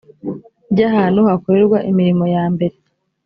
ry ahantu hakorerwa imirimo yambere